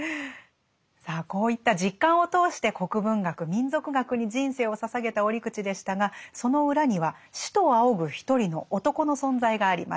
さあこういった実感を通して国文学民俗学に人生を捧げた折口でしたがその裏には師と仰ぐ一人の男の存在がありました。